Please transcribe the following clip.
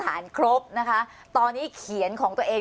อันดับที่สุดท้าย